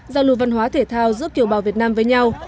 giao lưu văn hóa thể thao giữa kiểu bào việt nam với nhau